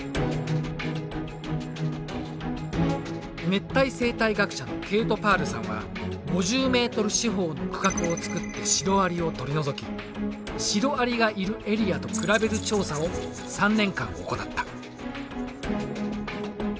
熱帯生態学者のケイト・パールさんは５０ｍ四方の区画を作ってシロアリを取り除きシロアリがいるエリアと比べる調査を３年間行った。